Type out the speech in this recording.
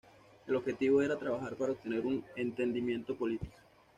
El objetivo era trabajar para obtener un entendimiento político.